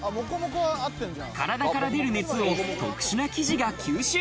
体から出る熱を特殊な生地が吸収。